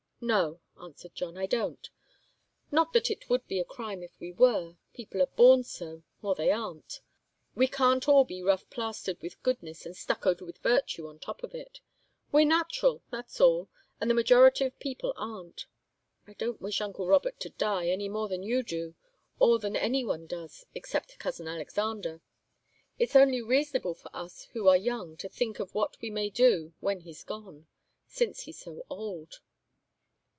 "No," answered John, "I don't. Not that it would be a crime if we were. People are born so, or they aren't. We can't all be rough plastered with goodness and stuccoed with virtue on top of it. We're natural, that's all and the majority of people aren't. I don't wish uncle Robert to die, any more than you do, or than any one does, except cousin Alexander. It's only reasonable for us who are young to think of what we may do when he's gone, since he's so old."